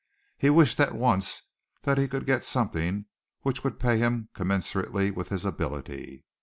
He wished at once that he could get something which would pay him commensurately with his ability.